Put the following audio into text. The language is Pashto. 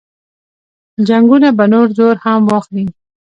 جنګونه به نور زور هم واخلي.